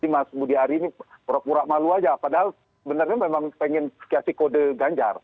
mas budiari ini murah murah malu aja padahal benarnya memang pengen kasi kode ganjar